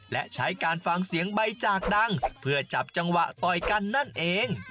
และใช้การฟังเสียงใบจากดังเพื่อจับจังหวะต่อยกันนั่นเอง